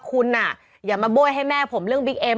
คุณอย่ามาโบ้ยให้แม่ผมเรื่องบิ๊กเอ็ม